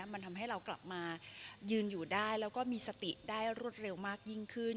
มันทำให้เรากลับมายืนอยู่ได้แล้วก็มีสติได้รวดเร็วมากยิ่งขึ้น